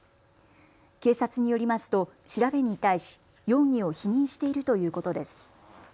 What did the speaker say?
警察によりますと調べに対し容疑を否認しているということです。